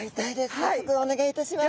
早速お願いいたします。